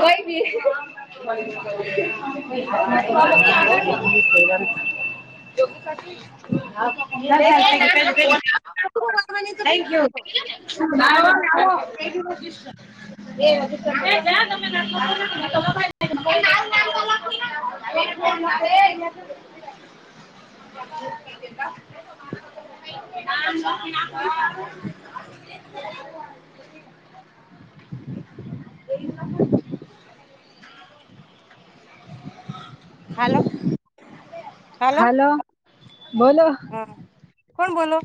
કોઈ બી [unintelligible] [inaudible] હા હાલો થઈ ગ્યુ એ [unintelligible] [inaudible] [unintelligible] [inaudible] [unintelligible] [inaudible] હા હ [inaudible] [unintelligible] [inaudible] હાલો હાલો બોલો હા કોણ બોલો?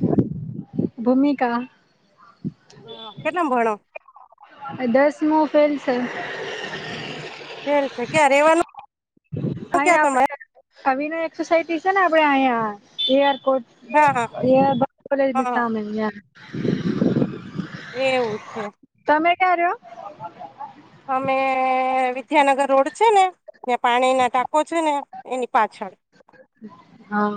ભૂમિકા કેટલામ ભણો? દસમુ ફેલ સે ફેલ સે ક્યાં રેવાનું? ક્યાં આંઈયા તમારે આપડે આ વિનાયક સોસાઇટી છે ને આપડે આંઈયા એરપોર્ટ હા હા [unintelligible] એવું છે તમે ક્યાં રયો? અમે વિદ્યાનગર રોડ છે ને ત્યાં પાણીનાં ટાંકો છે ને એની પાછળ હાં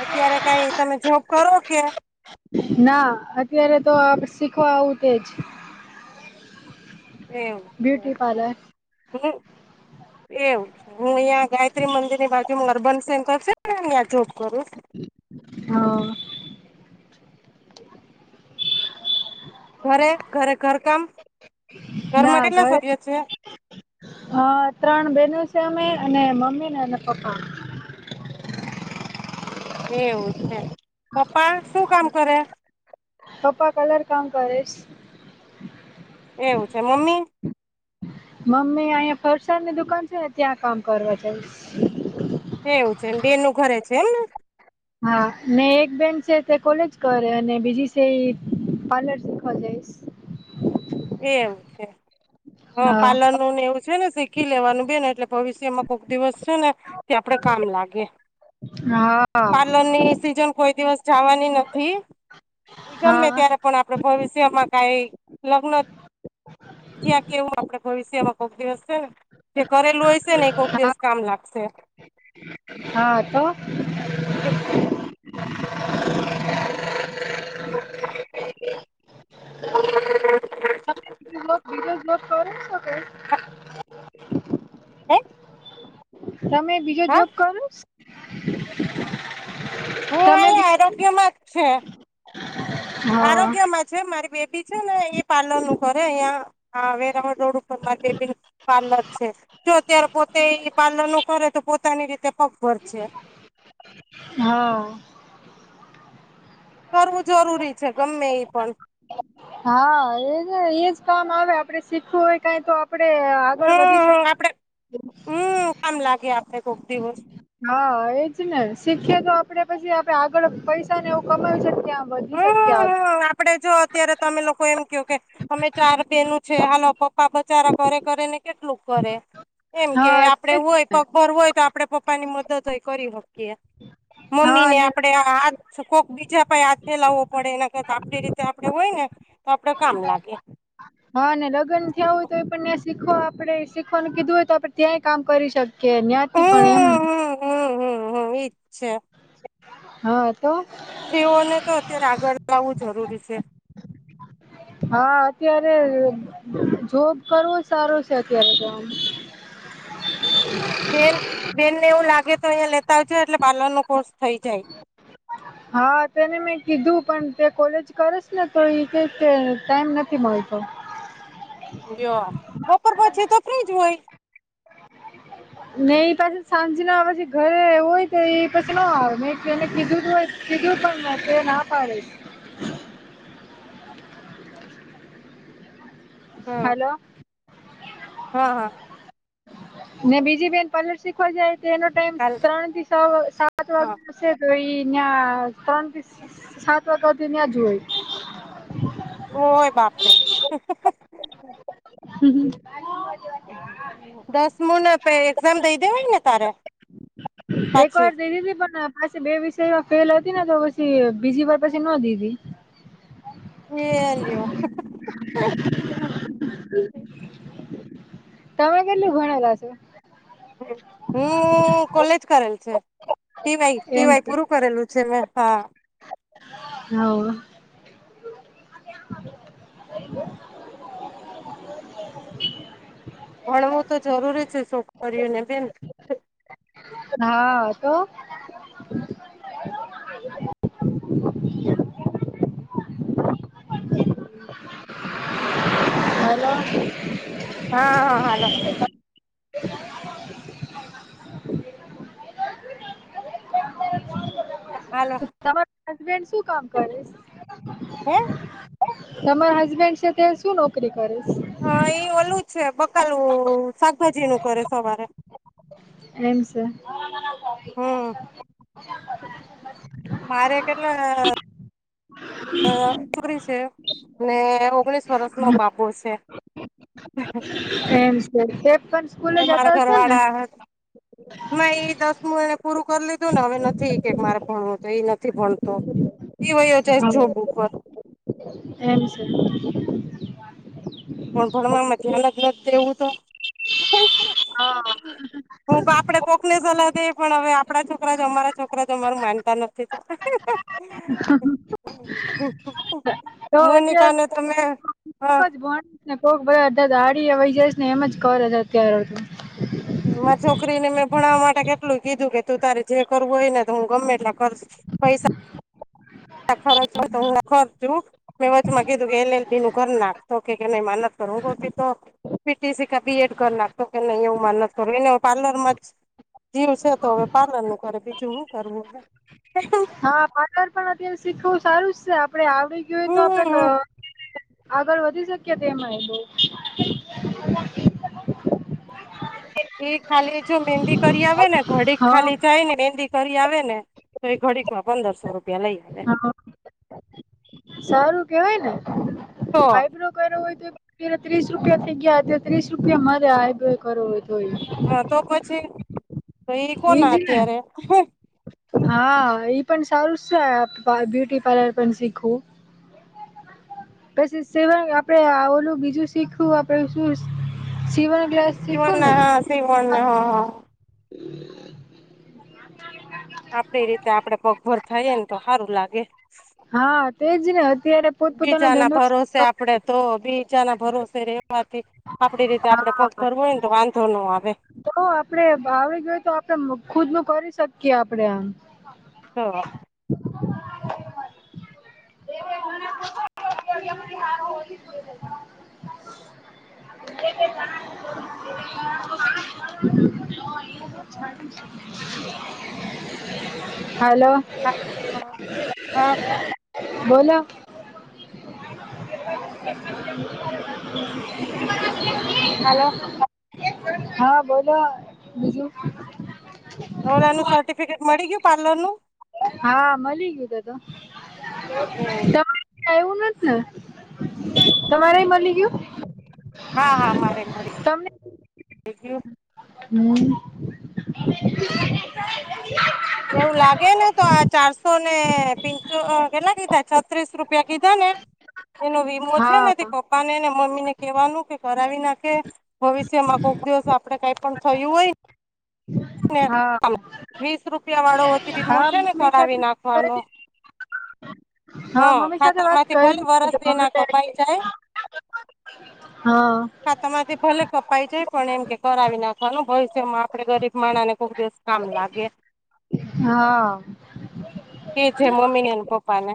અત્યારે કાંઈ તમે જોબ કરો કે ના અત્યારે તો આપ શીખવા આવું તેજ એવ [unintelligible] બ્યુટી પાર્લર એવ હું અયા ગાયત્રી મંદિરની બાજુમા અર્બન સેન્ટર છે ને ન્યાં જોબ કરું હા ઘરે ઘરે ઘરકામ ઘરમાં કેટલા સભ્ય છે? અ ત્રણ બેનો છે અમે અને મમ્મી ને ન પપ્પા એવું છે પપ્પા શું કામ કરે? પપ્પા કલર કામ કરે સ એવું છે મમ્મી? મમ્મી આંઈયા ફરસાણની દુકાન છે ને ત્યાં કામ કરવા જાય સ એવું છેને બેનું ઘરે છે એમ ને? હા ને એક બેન છે તે કોલેજ કરે અને બીજી સે ઈ પાર્લર શીખવા જઈશ. એમ છે હ હા પાલનનુ ને એવું છે ને શીખી લેવાનું બેન એટલે ભવિષ્યમાં કોક દિવસ છે ને તે આપડે કામ લાગે. હા પાર્લર ની સીઝન કોઈ દિવસ જવાની નથી ઈ ગમે હા ત્યારે પણ આપડે ભવિષ્યમાં કાઈ લગ્ન ત્યાં કેવું આપડે ભવિષ્યમાં કોક દિવસ છે ને જે કરેલું હોય છે ને એ કોક હા દિવસ કામ લાગશે. હા તો બે [unintelligible] [unintelligible] ધીરજ નો કરી શકે. હે? તમે બીજો જોબ કરુષ? હું આયા આરોગ્ય માં જ છે. હા આરોગ્ય છે મારી બેબી છે ને એ પાર્લર નું કરે અહંયા વેરાવળ રોડ ઉપર મારી બેબીનુ પાર્લક છે. જો અત્યારે પોતે ઈ પાર્લરનુ કરે તો પોતાની રીતે પગભર છે. હા. કરવું જરૂરી છે ગમે ઈ પણ. હા એજ એજ કામ આવે આપડે શીખવું હોય કાઈ તો આ પડે આગળ વધી શકે. હમ આપડે હમ કામ લાગે આપડે કોક દિવસ. હા એજ ને શીખીએે તો આપડે પછી આપડે આગળ પૈસા ને એવું કમાવી શકીએ આમ બધી જગ્યા. હમ આપડે જો અત્યારે તમે લોકો એમ ક્યોંકે અમે ચાર બેન છે. હાલ, પપ્પા બચારા કરે કરે ને, કેટલું કરે. એમ કે હા આપણે એટલે જ હોય, ને પગભર હોય તો આપણે પપ્પાની મદદ હોય કરી શકીએ. હા મમ્મીને ને આપણે હાથ કોક બીજા પાએ ફેલાવવો પડે એના કરતા આપણી રીતે આપણે હોય ને, તો આપણે કામ લાગે. હા, અને લગ્ન થયા હોય તો પણ ત્યાં શીખવા આપણે શીખવાનું કીધું હોય તો આપણે ત્યાંય કામ કરી શક કે અહીંયાથી પણ એમ હમ્મ હમ્મ હમ્મ હમ્મ ઇજ છે. હા તો તે ઓને તો અત્યારે આગળ લાવ જરૂરી છે. હા, અત્યારે જોબ કરવો જ સારો છે, અત્યારે તો આમ. બેન બેનને એવું લાગે તો, અહીંયા લેતા આવજો એટલે પાર્લરનો કોર્સ થઈ જાય. હા તેને મેં કીધું પણ તે કોલેજ કરે છે ને, તો ઈ કે ટાઈમ નથી મળતો. જો બપોર પછી તો ફ્ર્રી જ હોય. નહીં પણ પછી સાંજના પછી ઘરે હોય, તો એ પછી ના મે એને કીધું. કીધું પણ તે ના પાડે છે. હમ હલો. હા હા. ને બીજી બેન પૉલર શીખવા જાય, તો એનો ટાઈમ કાલ ત્રણ થી છ સાત વાગ હા છે તો એઈ ત્યાં ત્રણ થી સાત વાગ્યા સુ ત્યાં હોય. [unintelligible] ઓય બાપરે [unintelligible] [unintelligible] દસમુંને પય એક્ઝામ દઈ દેવાય ને તારે હોય એક પાછી વાર દીધી પણ પાછી બે વિષયમાં ફેલ હતી ને તો પછી બીજીવાર પછી નો દીધી. એ લ્યો [unintelligible] તમે કેટલું ભણેલા? [unintelligible] હું, કોલેજ કરેલ છે. ટી વાય, ટી વાય પૂરું કરેલું છે મેં, હા. હવ. ભણવું તો જરૂરી છે છોકરીઓને બેન હા, તો હલો હા. હા, હાલો. [unintelligible] હાલો [inaudible] તમાર હસબેન્ડ શું કામ કરે છે? હે તમારા હસબેન્ડ છે, તે શું નોકરી કરેશ? હમ્મ ઓલું છે બકાલું શાકભાજીનું કરે સવારે એમ છે. હમ [unintelligible] [inaudible] મારે કેટલા [unintelligible] છોકરી છે, ને ઓગણીસ વર્ષનો બાબો છે. એમ છે, તે પણ સ્કૂલે મારા જતા ઘર હશે ને? સ્કૂલમો એને પૂરું કરી લીધુંને હવે, નથી કે મારે ભણવું તો એ નથી ભણતો. એવોય જાય છે જોબ ઉપર એમ છે. પણ ભણવામાં ઘ્યાન જ નથ દેવું તો હું પાપડે કોક ને સલાહ દેય પણ હવે આપડા છોકરા જ અમારા છોકરા જ અમારું માનતા નથી તો [unintelligible] [unintelligible] તો અત્યારે મોનિકાને તમે હા [unintelligible] ને કોક બધા અરધા દાઢીયે વયી જાયસને એમ જ કરે છે અત્યારે તો મારી છોકરીને મેં ભણાવા માટે કેટલું કીધું કે તું તારે જે કરવું હોય ને હું ગમે એટલા ખર્ચ પૈસા [unintelligible] ખરચવા તો હું ખર્ચું. મેં વચમાં કીધું કે એલ એલ બીનું કર નાખ તો કે કે નઇ મારે નથ કરવું હુતોતી તો પીટીસી કા બી એડ કર નાખ તો કે નઇ એવું માન નથ કરું એને હું પાર્લરમાં જ જીવ છે તો હવે પાર્લરનું કરે બીજું હું કરવું કે હા પાર્લર પણ અત્યારે શીખવું સારું જ છે આપડે આવડી ગયું હોય તો આપડે ક [unintelligible] હમ આગળ વધી શકીએ તેમાંય બોવ [unintelligible] એ ખાલી જો મેંદી કરી આવે ને ઘડીક હા ખાલી જાય ને મેંદી કરી આવે ને તો એ ઘડીકમાં પંદરસો રૂપિયા લઈ આવે. હા સારું કેવાય ને તો આઈબ્રો કરાવો હોય તો પેલા ત્રીસ રૂપિયા થઇ ગયા આજે ત્રીસ રૂપિયા મારે આઈબ્રો કરવો હોય તોય હા તો પછી તઈ એજ કોના ને ત્યારે હા ઈ પણ સારું છે બ્યુટી પાર્લર પણ શીખવું. પછી સેવંગ આપડે આ ઓલું બીજું શીખું આપડે શું શિવણ ક્લાસ શીખું ને શિવણના હા શિવણને હ હ. આપડી રીતે આપડે પગભર થઈએને તો હાંરું લાગે. હા તેજ ને અત્યારે પોતપોતાનો બીજાના ધંધો જ ભરોસે આપડે [unintelligible] તો બીજાના ભરોસે રેવાથી આપડી રીતે આપડે પગ હા ભરવો હોય ને તો વાંધો નો આવે. તો આપડે ભાવે જોય તો આપડે મું ખુદનું કરી શકીએ આપડે આમ. [unintelligible] [inaudible] [inaudible] હાલો. હાલ હ હાં. બોલો. હાલો [inaudible] હા બોલો બીજું. ઓલાનું સર્ટિફિકેટ મળી ગયું પાર્લરનું. હા મલી ગીયું તે તો એવું તમારે એવું [unintelligible] તમારેય મલી ગીયું. હા હા મારેય મળી ગયુ. [unintelligible] [inaudible] એવું લાગે ને તો આ ચારસો ને પીંસો અ કેટલા કીધા છત્રીસ રૂપિયા કીધા ને એનો વીમો છે ને તે હા પપ્પા ને ને મમ્મી ને કેવાનું કે કરાવી નાખે ભવિષ્યમાં કોક દિવસ આપડે કઈ પણ થયું હોય ને હા વીસ રૂપિયા વાળો ઓછી વીમો હા છે ને મમ્મી કરાવી સાથે નાખવાનો. હ હા મમ્મી સાથે વાત ખાતામાંથી કરી ભલે વરસ દે ના કપાઈ મમ્મી જાય હા. ખાતામાંથી ભલે કપાઈ જાય પણ એમ કે કરાવી નાખવાનું ભવિષ્યમાં આપડે ગરીબ માણા ને કોક દિવસ કામ લાગે હા. એ છે મમ્મી ને અને પપ્પા ને.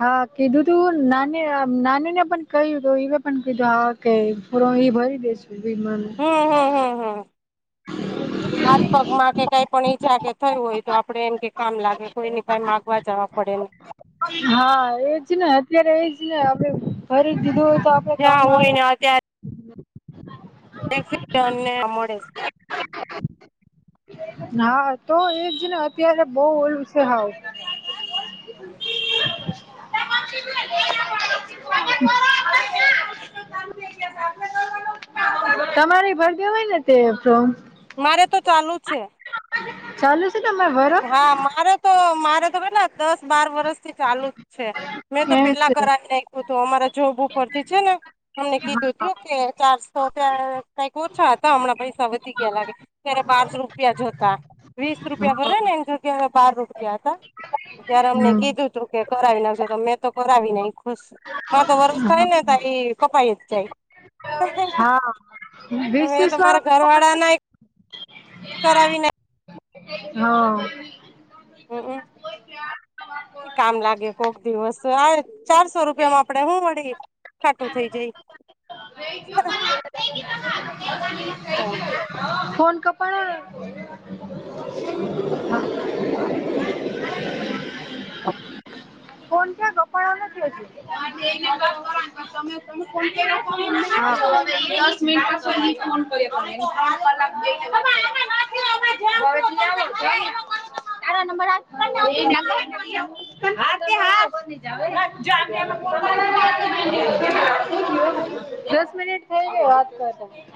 હા કીધું તું નાની નાની ને પણ કહ્યું તું એને પણ કીધું હ કે પૂરો એ ભરી દેસ વિમાન હમ હમ હમ હમ હાથ પગમાં કે કાઈ પણ ઈજા કે થયું હોય તો આપણે એમ કે કામ લાગે કોઈની પાઈ માગવા જવા પડે. હા એજ ને અત્યારે એજ ને આપે ભરી દીધું હોય તો આપડે કામ જ્યાં હોય આવે ને અત્યારે [unintelligible] હા તો એજ ને અત્યારે બહ ઓલુ છે હવ [inaudible] તમારે ભર દેવાય ને તે ફ્રોમ મારે તો ચાલુ છે. ચાલું જ હા મારે તો મારે તો કેટલા દસ બાર વરષથી ચાલુ જ છે મેં તો એમ પેલા છે કરાવી નાખ્યું તું અમારા જોબ ઉપર થી છે ને અમને કીધું હા તું કે ચારસો ત્યારે કઈક ઓછા હતા હમણાં પૈસા વધી ગયા લાગે ત્યારે પાંચ રૂપિયા જ હતા વીસ હા રૂપિયા ભરે ને એની જગ્યા એ અવે બાર રૂપિયા હતા ત્યારે અમને હમ કીધું તું કે કરાવી નાખજો તો મેં તો કરાવી નાયખુ સ હા તો વરસ થાય ને તાં ઈ કપાઈ જ જાય હાં મેં તો મારા ઘર [unintelligible] વાળા ના કરાવી ને હાં હમમ [inaudible] કામ લાગે કોક દિવસ આય ચારસો રૂપિયામાં આપડે હું વળી ખાટુ થય જઈએ [unintelligible] [unintelligible] [unintelligible] ફોન કપાણો ને હમ્મ ફોન કાં કપાણો નથી અજી દસ મિનિટ પછી અજી ફોન કરીએ [unintelligible] [unintelligible] [unintelligible] [unintelligible] કર્યો. [unintelligible] દસ મિનિટ થઈ ગઈ વાત [unintelligible]